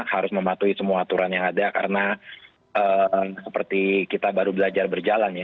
harus mematuhi semua aturan yang ada karena seperti kita baru belajar berjalan ya